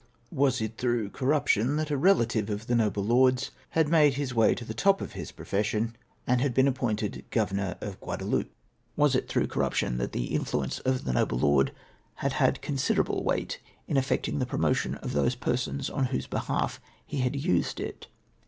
Was it through corruption that a relative of the noble lord's had made his way to the top of his profession, and had been appointed governor of Guadaloupe? Was it through corruption that the influence of the noble lord had liad considerable weight in effecting the promotion of those I^ersons on whose behalf he had used it